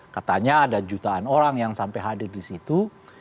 katanya ada jutaan orang yang sampai hadir disitu